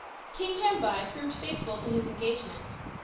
King Jambai proved faithful to his engagement.